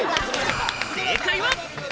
正解は。